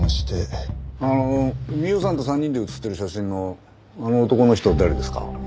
あの美緒さんと３人で写ってる写真のあの男の人誰ですか？